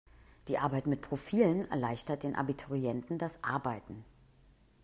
Die Arbeit mit Profilen erleichtert den Abiturienten das Arbeiten.